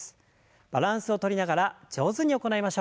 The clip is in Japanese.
バランスをとりながら上手に行いましょう。